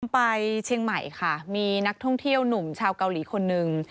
ไปเชียงใหม่ค่ะมีนักท่องเที่ยวหนุ่มชาวเกาหลีคนหนึ่ง